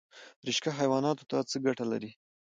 رشقه حیواناتو ته څه ګټه لري؟